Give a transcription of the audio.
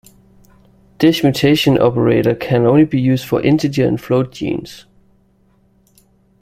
This mutation operator can only be used for integer and float genes.